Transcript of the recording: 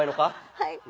はい。